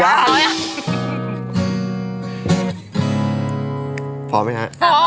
อันนี้สะดวกไหมคะ